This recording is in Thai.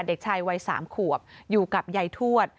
เด็กชายวัย๓ขวบอยู่กับยายทวด